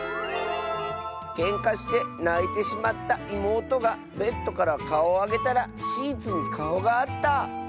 「けんかしてないてしまったいもうとがベッドからかおをあげたらシーツにかおがあった」。